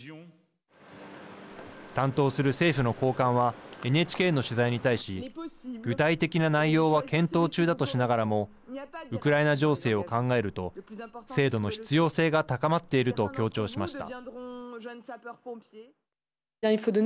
担当する政府の高官はＮＨＫの取材に対し具体的な内容は検討中だとしながらもウクライナ情勢を考えると制度の必要性が高まっていると強調しました。